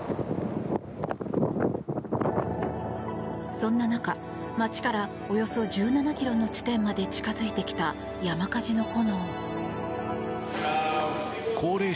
そんな中街からおよそ１７ｋｍの地点まで近づいてきた山火事の炎。